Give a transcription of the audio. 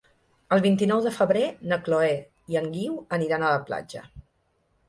El vint-i-nou de febrer na Chloé i en Guiu aniran a la platja.